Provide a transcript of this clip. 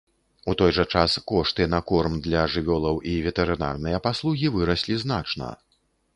У той жа час кошты на корм для жывёлаў і ветэрынарныя паслугі выраслі значна.